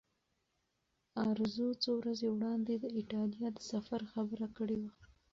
ارزو څو ورځې وړاندې د ایټالیا د سفر خبره کړې وه.